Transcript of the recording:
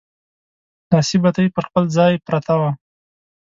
لاسي بتۍ پر خپل ځای پرته وه.